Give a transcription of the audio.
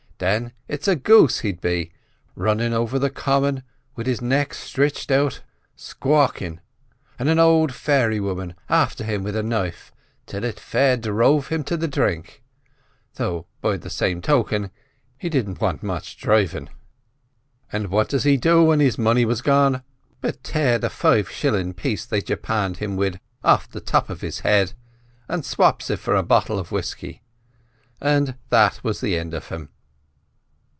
Thin it's a goose he'd be, runnin' over the common wid his neck stritched out squawkin', an' an old fairy woman afther him wid a knife, till it fair drove him to the dhrink; though, by the same token, he didn't want much dhrivin'. "And what does he do when his money was gone, but tear the five shillin' piece they'd japanned him wid aff the top of his hed, and swaps it for a bottle of whisky, and that was the end of him."